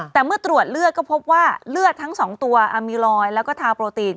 แต่เมื่อตรวจเลือดก็พบว่าเลือดทั้ง๒ตัวมีรอยแล้วก็ทาโปรตีน